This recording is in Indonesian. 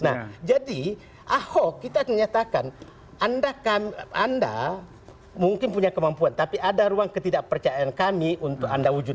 nah jadi ahok kita menyatakan anda mungkin punya kemampuan tapi ada ruang ketidakpercayaan kami untuk anda wujudkan